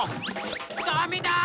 ダメだ！